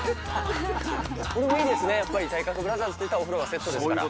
これもいいですね、体格ブラザーズといったらお風呂がセットですから。